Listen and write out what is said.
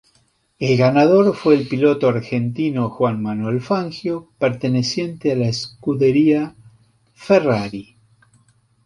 El ganador fue el piloto argentino Juan Manuel Fangio, perteneciente a la Scuderia Ferrari.